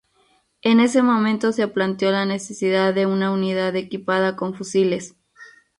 En ese momento, se planteó la necesidad de una unidad equipada con fusiles.